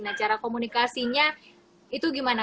nah cara komunikasinya itu gimana